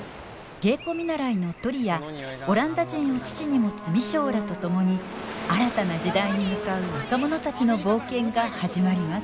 芸妓見習のトリやオランダ人を父に持つ未章らと共に新たな時代に向かう若者たちの冒険が始まります。